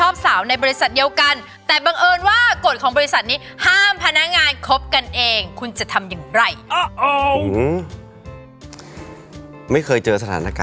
ไม่เคยค่ะนี้คือสถานะการณ์สมมุติค่ะ